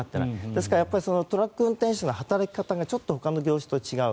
ですからトラック運転手の働き方がちょっとほかの業種と違う。